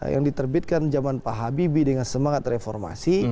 yang diterbitkan zaman pak habibie dengan semangat reformasi